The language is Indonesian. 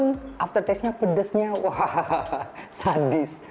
namun after taste nya pedesnya sadis